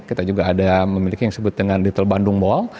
kita juga ada memiliki yang disebut dengan detail bandung mall